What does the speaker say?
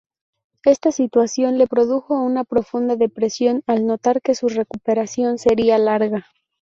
Esta situación le produjo una profunda depresión, al notar que su recuperación sería larga.